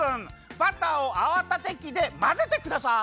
バターをあわたてきでまぜてください。